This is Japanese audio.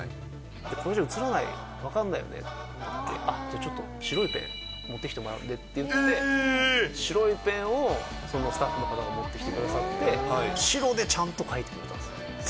これじゃうつらない、分かんないよねって言って、あっ、ちょっと白いペン、持ってきてもらうんでっていって、白いペンをそのスタッフの方が持ってきてくださって、白でちゃんと書いてくれたんですよね。